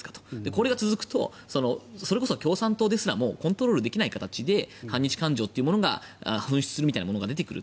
これが続くとそれこそ共産党ですらもコントロールできない形で反日感情が噴出するものが出てくる。